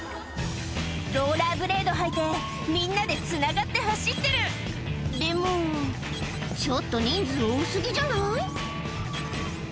ローラーブレード履いてみんなでつながって走ってるでもちょっと人数多過ぎじゃない？